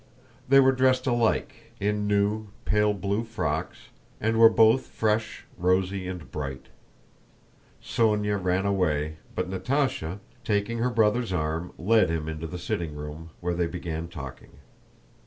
They were dressed alike, in new pale blue frocks, and were both fresh, rosy, and bright. Sónya ran away, but Natásha, taking her brother's arm, led him into the sitting room, where they began talking.